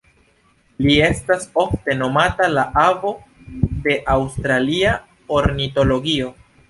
Li estas ofte nomata "la avo de aŭstralia ornitologio".